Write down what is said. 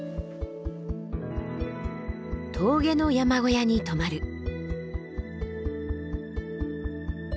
峠の山小屋に泊まる。